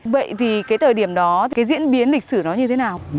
vậy thì cái thời điểm đó cái diễn biến lịch sử nó như thế nào